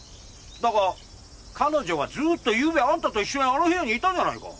だが彼女はずーっとゆうべあんたと一緒にあの部屋にいたじゃないか。